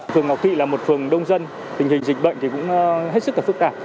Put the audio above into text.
phường ngọc thụy là một phường đông dân tình hình dịch bệnh cũng hết sức phức tạp